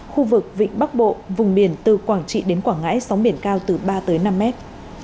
khu vực vịnh bắc bộ vùng biển từ quảng trị đến quảng ngãi sóng biển cao từ ba tới năm mét